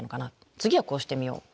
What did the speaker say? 次はこうしてみよう。